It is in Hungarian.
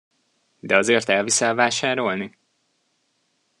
De azért elviszel vásárolni?